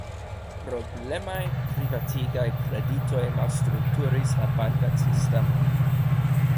Problemaj privatigaj kreditoj malstrukturis la bankan sistemon.